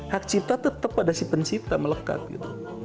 hak cipta tetap pada si pencipta melekat gitu